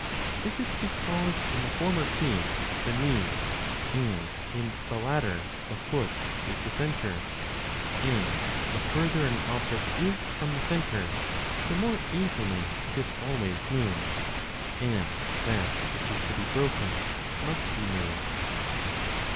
Is it because in the former case the knee, and in the latter the foot is the centre, and the further an object is from the centre the more easily is it always moved, and that which is to be broken must be moved